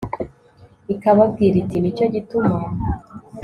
ikababwira iti 'ni cyo gituma